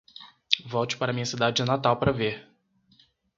Volte para minha cidade natal para ver